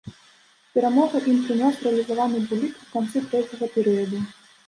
Перамогу ім прынёс рэалізаваны буліт у канцы трэцяга перыяду.